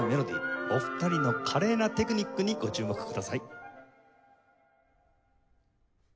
お二人の華麗なテクニックにご注目ください。